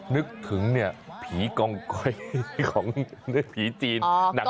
นึกถึงเนี่ยผีกองก้อยของผีจีน